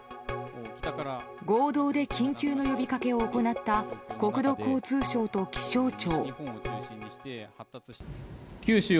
合同で緊急の呼びかけを行った国土交通省と気象庁。